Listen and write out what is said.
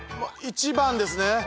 １番ですね。